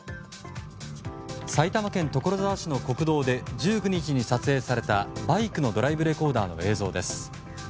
埼玉県所沢市の国道で１９日に撮影されたバイクのドライブレコーダーの映像です。